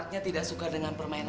saya heran sama berdiri berdiri